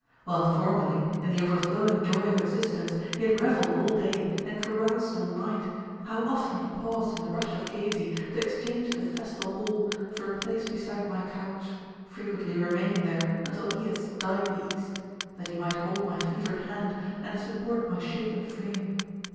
While formerly, in the overflowing joy of existence, he had revelled all day and caroused all night, how often he paused in the rush of gaiety to exchange the festal hall for a place beside my couch, frequently remaining there until Eos dyed the east, that he might hold my fevered hand and support my shaken frame!